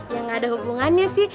ya gak ada hubungannya sih